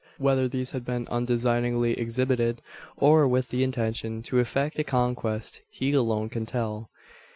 Whether these had been undesignedly exhibited, or with the intention to effect a conquest, he alone can tell.